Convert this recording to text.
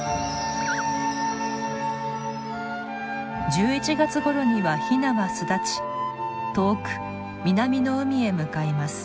１１月ごろにはヒナは巣立ち遠く南の海へ向かいます。